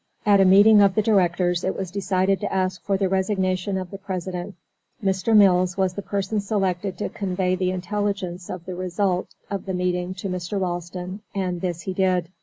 At a meeting of the directors it was decided to ask for the resignation of the President. Mr. Mills was the person selected to convey the intelligence of the result of the meeting to Mr. Ralston and this he did.